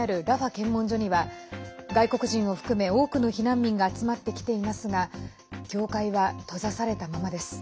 検問所には外国人を含め多くの避難民が集まってきていますが境界は閉ざされたままです。